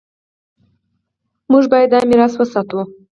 موږ باید دا میراث وساتو.